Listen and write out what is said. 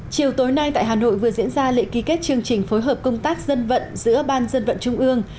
chiều tối nay tại hà nội vừa diễn ra lễ ký kết chương trình phối hợp công tác dân vận giữa ban dân vận trung ương